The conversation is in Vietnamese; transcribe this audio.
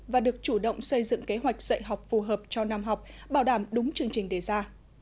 và được chủ động xây dựng kế hoạch dạy học phù hợp cho năm học bảo đảm đúng chương trình đề ra